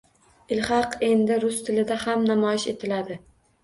Ilhaq endi rus tilida ham namoyish etiladi